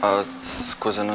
berapa harga kopi dan pain